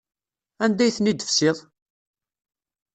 Anda ay ten-id-tefsiḍ?